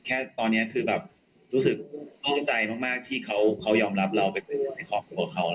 แค่ตอนนี้คือรู้สึกโทษใจมากที่เขายอมรับเราไปกับเขา